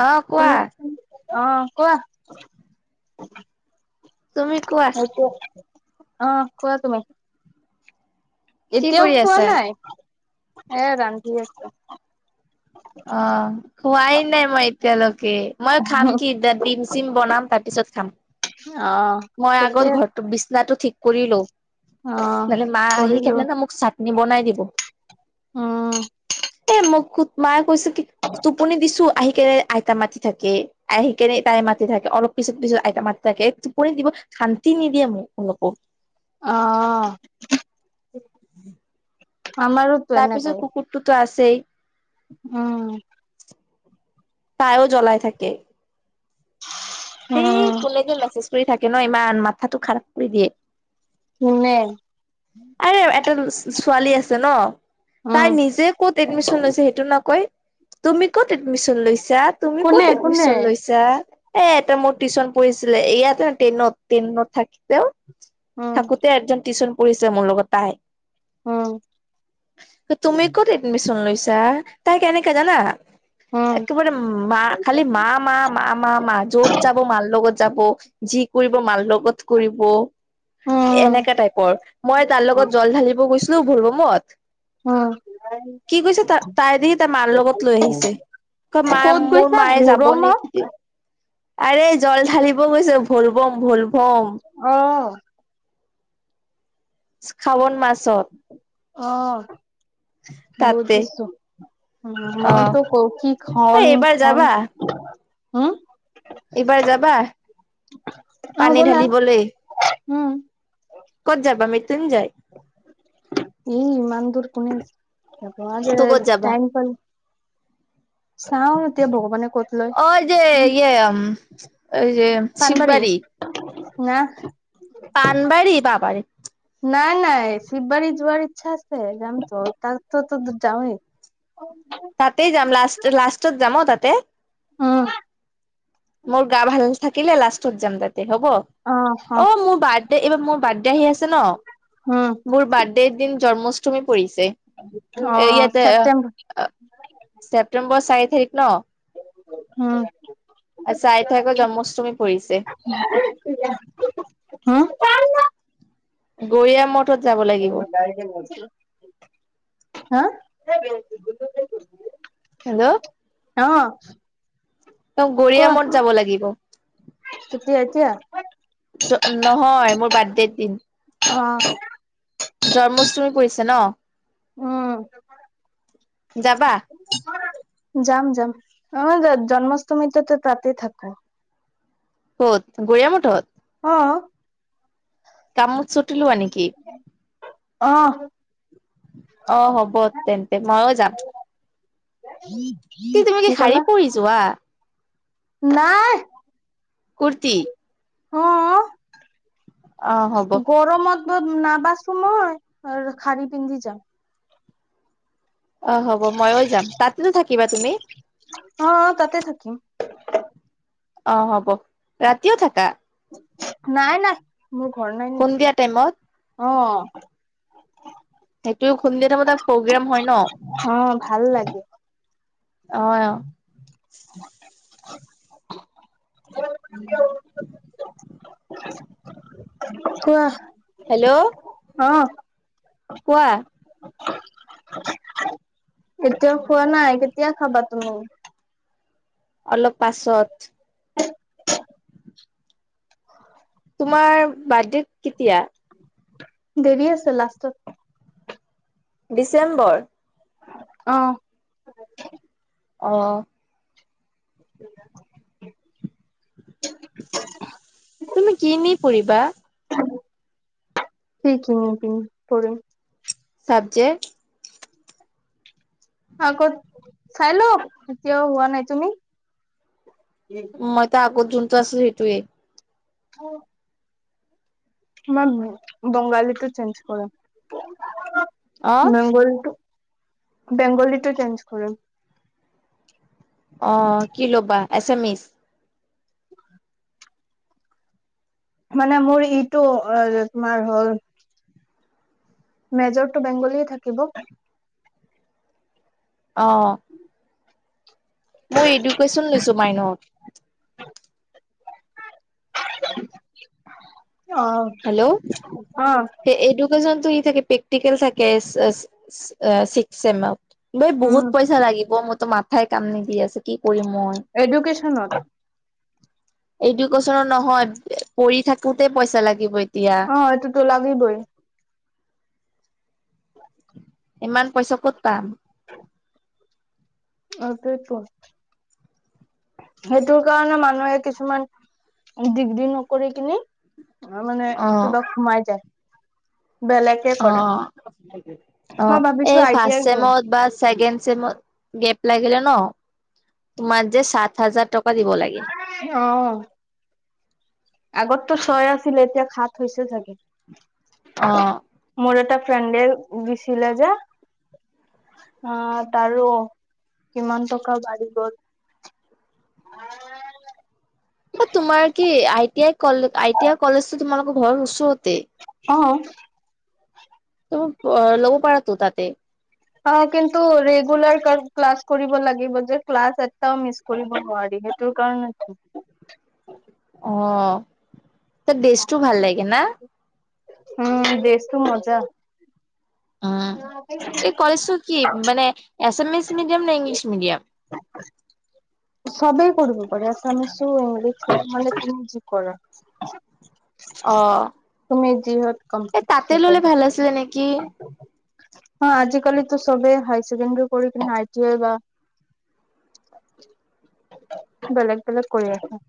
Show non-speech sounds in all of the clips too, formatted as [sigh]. অ কোৱা হেল্ল শুনি আছে নে অ কোৱা তুমি কোৱা সেইটো অ কোৱা তুমি কি এতিয়াও কৰি খোৱা আছা? নাই এ ৰান্ধি আছোঁ। অ খোৱাই নাই মই এতিয়ালৈকে মই খাম কি এতিয়া ডিম চিম বনাম তা পিছত তাঁত খাম। অ মই আগত ঠিকে ঘৰটো বিচনাটো ঠিক কৰিলো অ নহলে মা আহি কৰিলো কেনে ন মোক বনাই দিব উম এ মোক খুত মাত কৈছ কি টোপনি দিছো আহি কে আইতা মাতি থাকে আহি কেনে তাই মাতি থাকে অলপ পিছত পিছত আইতা মাতি থাকে টোপৰি দিব শান্তি নিদিয়ে মোক অলপও অহঁ উম তাৰ পিছত এনেকাই কুকুৰটোতো আছেই উম তাইও জ্বলাই থাকে। সেই উম কোনে যে মেছেজ কৰি থাকে ন ইমান মাথাটো খাৰাপ কৰি দিয়ে কোনে। আৰে এটা ছোৱালী আছে ন উম তাই নিজে ক'ত এডমিশচন লৈছে সেইটো নকয়। তুমি কত এডমিশন লৈছা তুমি ক'ত কোনে কোনে এডমিশন লৈছা এ এটা মোৰ টিউশন ছিল ইয়াতে টেনত টেনত থাকতেও উম থাকোতে একজন টিউচন পঢ়িছে মোৰ লগত উম তুমি ক'ত এডমিচন লৈছ তাই কেনেকে জানা উম। একেবাৰে মাঁ খালি মা মা মা মা য'ত যাব মাঁ লগত যাব যি কৰিব মাল লগত কৰিব উম এনেকা টাইপৰ মই তাৰ লগত জল ঢালিব গৈছিলো ভলভমত উম কি কৈছে তাই দি তাৰ মাৰ লগত লৈ আহিছে মা ক'ত মোৰ গৈছা মায়ে যাব গৰমত নিদিয়ে আৰে জল ঢালিব গৈছে ভল বম ভল আহ খাৱন মাছ অহঁ তাতে বুজিছোঁ [unintelligible] উ অ মইতো কহঁ কি এ খন এইবাৰ খন যাবা উম এইবাৰ যাবা অ পানী ব'লা ঢালিবলে [unintelligible] উম, ক'ত যাবা মৃতুন জয়। এই ইমান দূৰ কোনে যাব, তো ক'ত আৰু যাবা টাইম চাওঁ এতিয়া ভগৱানে ক'ত লয়। অ যে ইয়ে এই যে শিৱবাৰী [unintelligible] ন [unintelligible] পানবাৰী পাবাৰী নাই নাই শিৱৱাৰি যোৱাৰ ইচ্ছা আছে যাম তো তাকো ত যামেই তাতেই যাম লাষ্ট লাষ্টত যাম তাঁতে উম মোৰ গা ভালে থাকিলে লাষ্টত যাম তাতে দে হ'ব অ অ', অ', মোৰ বাৰ্থডে এইবাৰ মোৰ বাৰ্থডে আহি আছে ন উম, মোৰ বাৰ্থডেৰ দিন জন্ম [unintelligible] পৰিছে অ', ইয়াতে ছেপ্টেম্বৰ ছেপ্তেম্বৰ চাৰি তাৰিখ ন হম চাৰি তাৰিখৰ জন্মাষ্টমী পৰিছে হু [unintelligible] গৈয়া মঠত যাব লাগিব হা [unintelligible] হেল্ল [unintelligible] অ ত গৰিয়া কোৱা মদ যাব লাগিব। কেতিয়া, এতিয়া। নহয় মোৰ বাৰ্থডেৰ দিন। অহঁ। জন্মাষ্টমী পৰিছে নহঁ। যাবা উম যাম যাম। অহঁ, জন্মাষ্টমিতো তাঁতে থাকোঁ। কত গোয়ামঠ হত। অ', কামত চুটি লোৱা এনেকেই। অ', অ হ'ব তেন্তে ময়ো যাম। কিন্তু তুমি কি শাৰি ক'লা? পিন্ধি যোৱা। নাই। কুৰ্তি অ অ হ'ব গৰমত। মই নাবাচো মই আৰু খাৰী পিন্ধি যাম। অ হ'ব ময়ো যাম। তাতেতো থাকিবা তুমি? অ তাতে [unintelligible] অ হ'ব ৰাতিও থাকা। নাই নাই মোৰ ঘৰ নাই নেকি। খুন্দিয়া টাইমত অ। সেইটো খুন্দ থাম তটা প্ৰগ্ৰেম হয় ন। অ ভাল লাগে। অহ অ। [unintelligible] হেল্ল' কোৱা অ। কোৱা। এতিয়া খোৱা নাই কেতিয়া খাবা? উম। অলপ পাছত। তোমাৰ বাৰ্থডে কেতিয়া। দেৰি আছে লাষ্টত। ডিচেম্বৰ। অহ। অহঁ। উ [unintelligible] তুমি ক নি ফুৰিবা। কি কিন পিন পৰিম। চাব্জেক্ট। আকৌ চাই ল এতিয়াও হোৱা নাই তুমি। মইটো আগত জুনটো আছিলো সেইটোৱে। অ। ম বঙালীটো চেঞ্জ কৰে অ বেংগলীটো। বেংগলীটো চেঞ্জ কৰে। অ কি ল'বা এচামিচ। মানে মোৰ ইটো তোমাৰ হ'ল। মেজৰটো বেংগলীয়ে থাকিব। অ। মই এডুকেশচন লৈছো মাইনৰ। অ হেল্ল' অ এইডোকেচন। থাকে প্ৰেকটিকেল থাকে চিস্ক চেমত। দ উম বহুত পইচা লাগিব মোৰতো মাথাই কাম নিদি আছিল। এডুকচনত এডুকেশ্বনৰ নহয় পঢ়ি থাকোতে পইচা লাগিব। এতিয়া অ এইটো টো লাগিবই। ইমান পইচা ক'ত পাম। [unintelligible] সেইটোৰ কাৰণে মানুহে কিছুমান ডিগ্ৰী নকৰি কিনি অ মানে অ কিবা সোমাই যায় বেলেগে অ কৰে অ মই ভাবিছো এই আই টি ফাৰ্ষ্ট আই কৰিম চেমত বা ছেকেণ্ড চমত গ লাগিলে ন? তোমাৰ যে সাত হাজাৰ টকা দিব লাগে। অ আগততো চয় আছিলে এতিয়া সাত হৈছে চাগে অ মোৰ এটা ফ্ৰেণ্ডে দিছিলে যে আহ তাৰো কিমান টকা বাঢ়ি গ'ল। [unintelligible] তোমাৰ কি আই টি আই কলে আই টি আই কলেজ তো তোমালোকৰ ঘৰৰ ওচৰতেই অ ত মোক লব পাৰাতো তাতেই অ কিন্তু ৰেগুলাৰ ক্লাছ কৰিব লাগিব যে ক্লাছ এটা মিছ কৰিব নোৱাৰি সেইটো কাৰণ ন। অ ত দেছটো ভাল লাগে না। উম দেছটো মজা। উম এই কলেছো কি মানে। আছামিছ মিডিয়াম নে ইংলিছ মিডিয়াম। সবেই কৰিব পাৰে আছমিছো ইংলিছ তুমি যি কৰা। অ তুমি যি হত ক এই তাতে ললে ভাল আছিলে নেকি [unintelligible] আজিকালিটো চবে হাইৰ চেকেণ্ডাৰী পঢ়ি আই টি আই বা বেলেগ বেলেগ কৰি আছো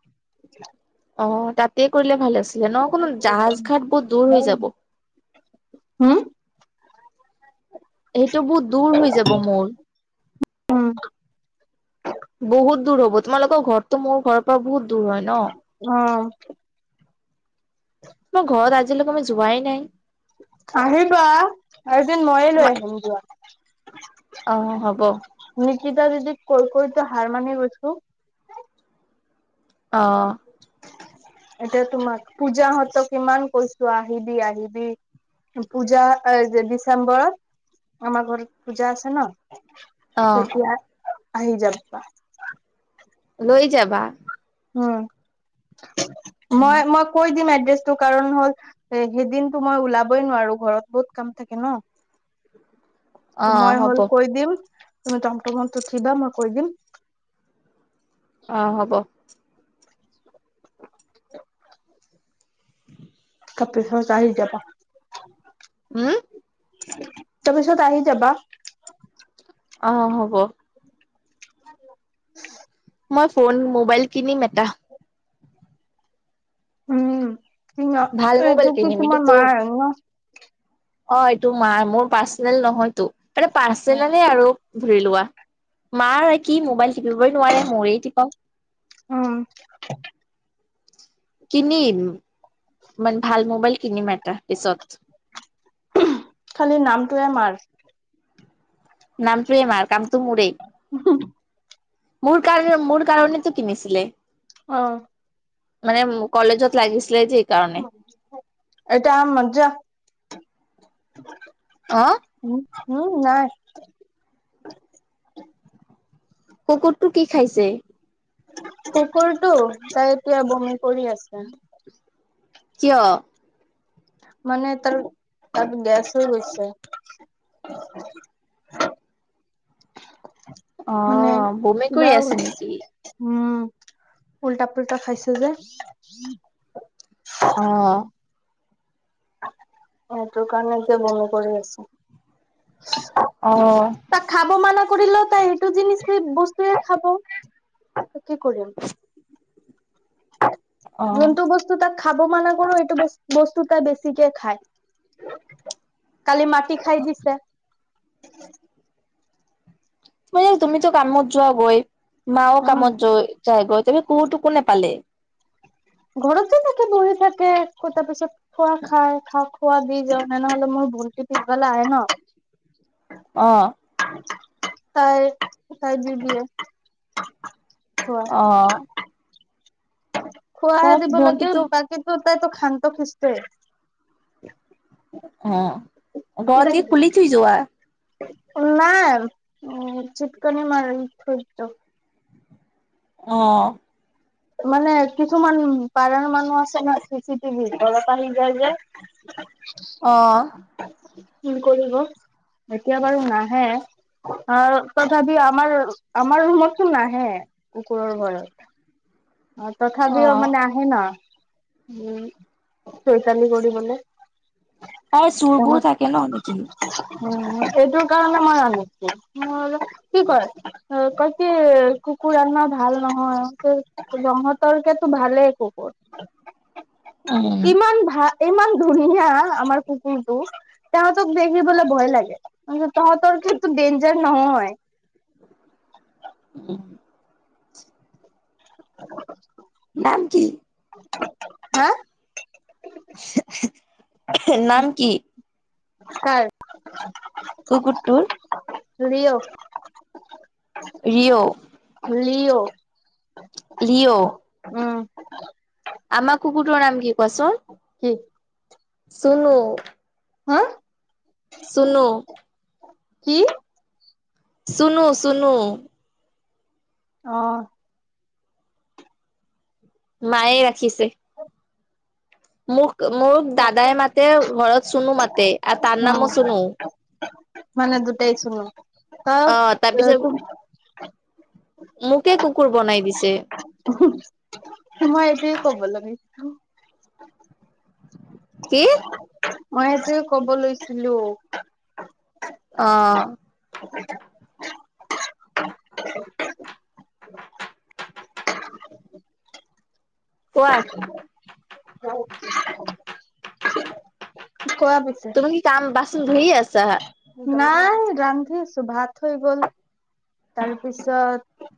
অ তাতে কৰিলে ভাল আছিলে ন কোনো জাহাজ ঘাট বহুত দূৰ হৈ যাব। হম সেইটো বহুত দূৰ হৈ যাব মোৰ। উম বহুত দূৰ হব তোমালোকৰ ঘৰতো মোৰ ঘৰৰ পৰা বহুত দূৰ হয় ন অ তোমাৰ ঘৰত আজিলৈকে যোৱাই নাই। আহিবা এদিন ময়ে লৈ আহিম যোৱা। অ হ'ব নিকিতা দিদি কৈকৈযে হাৰ মানি গৈছো অঁ এতিয়া তোমাক পূজাহঁত কিমান কৈছো আহিবি আহিবি। পূজা যে ডিচেম্বৰতৰত আমাৰ ঘৰতৰত পূজা আছে ন অ তেতিয়া আহি যাবা। লৈ যাবা। উম মই মই কৈ দিম এড্ৰেছ সেইটো কাৰণ হ'ল এ সেই দিনতটো মই ওলাবই নোৱাৰো ঘৰত বহুত কাম থাকে অ ন মই হ'ব হ'ল কৈ দিম। তুমি তম তমত উঠিবা মই কৈ দিম। অ হ'ব তাৰ পিছত আহি যাবা। উম তাৰপিছত আহি যাবা অ হ'ব [unintelligible] মই ফোন মোবাইল কিনিম এটা। উম কি ভাল মোবাইল এইটো কি কিনিম তোমাৰ এইটোতো ম ন অ এইটো মা মোৰ পাৰ্চনেল নহয়তো মানে পাৰ্চনেলে আৰু ধুৰি লোৱা মাৰ কি মোবাইল শিকিবই নোৱাৰে মৱেই টিপো উম কিনিম, মান ভাল মোবাইল কিনি ম তাৰপিছত টুৱেমাৰ নামটোৱে মাৰ কামটো মোৰেই। মোৰ কাৰ মোৰ কাৰণেতো কিনিছিলে। অ মানে কলেজত লাগিছিলে যে এই কাৰণে এটা মজা উম উম নাই কুকুৰটো কি খাইছে? কুকুৰটো তাই এতিয়া বমি কৰি আছে। কিয়? মানে তাৰ ত গেছ হৈ গৈছে। [inaudible] অ মানে বমি কিবা কৰি আছে নেকি উম উল্টা পুল্টা খাইছে যে- অ এইটো কাৰণে কিয় মনে কৰি আছো। অ তাক খাব মানা কৰিলে ত এইটো জিন বস্তুৰে খাব। কি কৰিম অ যোনটো বস্তু তাত খাব মানা কৰো এইটো বস্তু তাই বেছিকে খায় কালি মাটি খাই দিছে। মই তুমিতো কামত যোৱা গৈ মাও উম কামত য যায় গৈ। ত কোটো কোনে পালে ঘৰতে থাকে বহি থাকে তাৰ পিছত খোৱা খাই খা খোৱা দি যাওঁ তেনেহ'লে মই বলতি পবাল আহ ন অহ তাই তাই দি দিয়ে। থোৱা অ [unintelligible] ত খোৱাহে দিব লাগে ভন্টিটো বাকীতো তাইতো শান্ত সৃস্থ‌ই অ ঘৰত কি খুলি থৈ যোৱা। নাই উম চিটকনি মাৰ থৈত অ মানে কিছুমান পাৰাৰ মানুহ আছে ন চি চি টিভিত তলত আহি যায় যে আহ কি কৰিব এতিয়া বাৰু নাহে- অ তথাপি আমাৰ আমাৰ ৰুমত চোন নাহে কুকুৰৰ ঘৰত। অ তথাপি অ মানে আহে ন উম চৈতানি কৰিবলে। তাই চোৰবোৰ থাকে ন নেকি? উম সটোৰ কাৰণে মই আনিছো। মোৰ কি কয় কি, কুকুৰ আনা ভাল নহয়। ৰহতৰকেতো ভালেই কুকুৰ। উম, ইমান ভা ইমান ধুনীয়া আমাৰ কুকুৰটো। তহঁতক দেখিবলৈ ভয় লাগে। কি তহঁতৰ ডেঞ্জাৰ নহয়। উম [unintelligible] [unintelligible] [inaudible] নাম কি? হা নাম কি কাৰ কুকুৰটো লিউ ৰিঅ' লি'অ লিঅ' উম আমা কুকুৰৰ নাম কি কোৱাচোন [inaudible] চুনো হা চুনো কি চুনো চুনো অহ মায়ে ৰাখিছে মোক মোৰ দাদাই মাতে ঘৰত চুনো মাতে আৰু তাৰ অ নামো চুনো মানে দুটাই চুনো ত ত অ' তাৰপিছত [unintelligible] মোকে কুকুৰ বনাই দিছে মই এতোৱেই কব লাগিছিল কি মই এইটোৱে কব লৈছিলো অ কোৱা? তুমি কি কাম বাচন ধুয়ে আছা না ৰান্ধিছোঁ ভাত হৈ গল তাৰপিছত-